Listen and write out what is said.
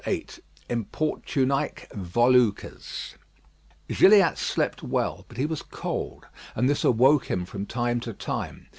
VIII IMPORTUNÆQUE VOLUCRES Gilliatt slept well; but he was cold, and this awoke him from time to time.